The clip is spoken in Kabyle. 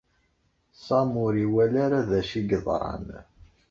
Sami ur iwala ara d acu i yeḍran.